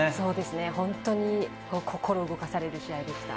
本当に、心動かされる試合でした。